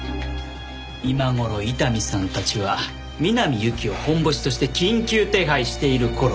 今頃伊丹さんたちは南侑希をホンボシとして緊急手配している頃かと。